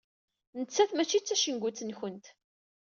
Nettat mačči d tacengut-nkent.